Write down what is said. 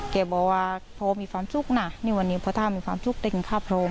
แกบอกว่าพ่อมีความสุขนะในวันนี้พ่อถ้ามีความสุขได้กินข้าวโพรม